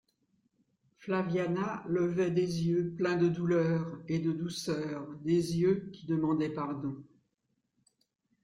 Flaviana levait des yeux pleins de douleur et de douceur, des yeux qui demandaient pardon.